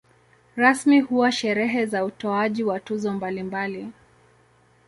Rasmi huwa sherehe za utoaji wa tuzo mbalimbali.